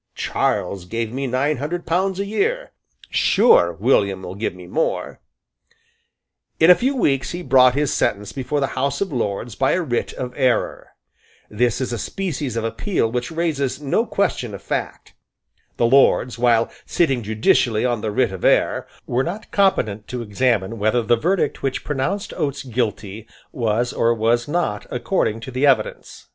"Charles gave me nine hundred pounds a year. Sure William will give me more." In a few weeks he brought his sentence before the House of Lords by a writ of error. This is a species of appeal which raises no question of fact. The Lords, while sitting judicially on the writ of error, were not competent to examine whether the verdict which pronounced Gates guilty was or was not according to the evidence.